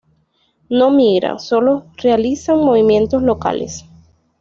No migran, sólo realizan movimientos locales.